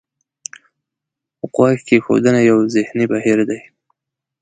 غوږ کېښودنه یو ذهني بهیر دی.